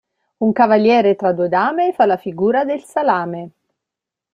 Un cavaliere tra due dame fa la figura del salame.